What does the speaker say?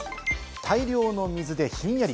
大量の水でひんやり。